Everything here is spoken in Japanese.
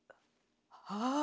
ああ！